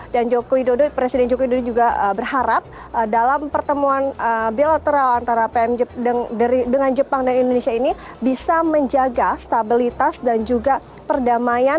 dan presiden joe kido juga berharap dalam pertemuan bilateral antara jepang dan indonesia ini bisa menjaga stabilitas dan juga perdamaian